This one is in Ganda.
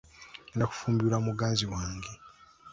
Ngenda kufumbirwa muganzi wange.